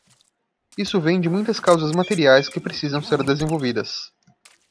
Isso vem de muitas causas materiais que precisam ser desenvolvidas.